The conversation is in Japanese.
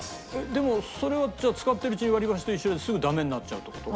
でもそれはじゃあ使ってるうちに割り箸と一緒ですぐダメになっちゃうって事？